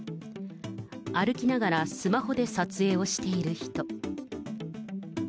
歩きながら、スマホで撮影をしている人。